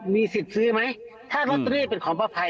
มีศิษย์ซื้อไหมถ้างานตัวนี้เป็นของประภัย